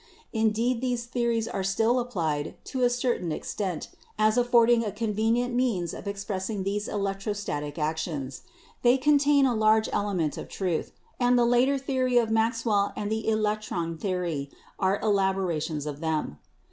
Indeed, these theories are still applied to a certain extent as affording a convenient means of expressing these electrostatic actions. They contain a large element of truth, and the later theory of Maxwell and the electron theory are elaborations of them.